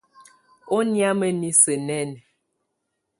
Ɔ́ nɛ̀ámɛ̀á niisǝ́ nɛ́ɛnɛ.